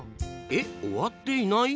えっ終わっていない？